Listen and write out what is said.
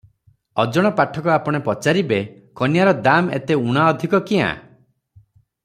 ଅଜଣା ପାଠକ ଆପଣେ ପଚାରିବେ, "କନ୍ୟାର ଦାମ ଏତେ ଊଣା ଅଧିକ କ୍ୟାଁ?